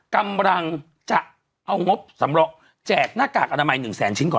กำลังจะเอางบสำรองแจกหน้ากากอนามัย๑แสนชิ้นก่อน